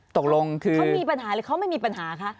ตกลงคือเขามีปัญหาหรือเขาไม่มีปัญหาคะ